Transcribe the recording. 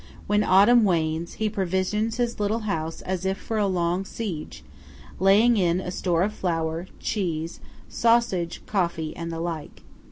When autumn wanes, he provisions his little house as if for a long siege, laying in store of flour, cheese, sausage, coffee and the like.